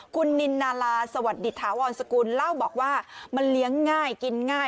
คุณนินนาลาสวัสดีถาวรสกุลเล่าบอกว่ามันเลี้ยงง่ายกินง่าย